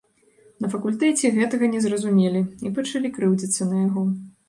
На факультэце гэтага не зразумелі і пачалі крыўдзіцца на яго.